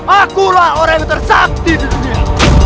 akulah orang tersakti di dunia